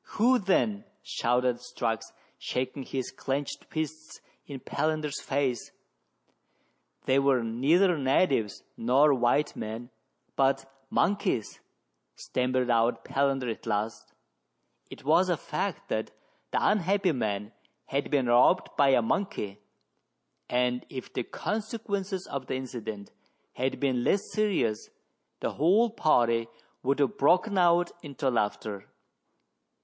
" Who then ?" shouted Strux, shaking his clenched fists in Palandcr's face. THREE ENGLISHMEN AND THREE RUSSIANS. 219 "They were neither natives — nor white men — but monkeys," stammered out Palander at last. It was a fact that the unhappy man had been robbed by a monkey, and if the consequences of the incident had been less serious, the whole party would have broken out into laughter.